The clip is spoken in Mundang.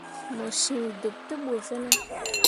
Mo cen ɗeɓ te bu fine ?